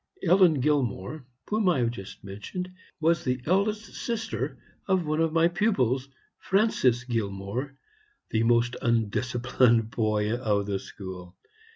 Ellen Gilmore, whom I have just mentioned, was the eldest sister of one of my pupils, Francis Gilmore, the most undisciplined boy of the school.